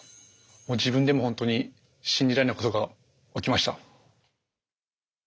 もう自分でもほんとに信じられないことが起きました。